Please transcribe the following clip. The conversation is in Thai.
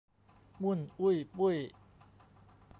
มุ่นอุ้ยปุ้ย